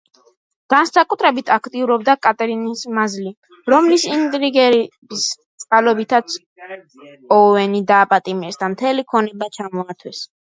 განსაკუთრებით აქტიურობდა კატრინის მაზლი, რომლის ინტრიგების წყალობითაც ოუენი დააპატიმრეს და მთელი ქონება ჩამოართვეს.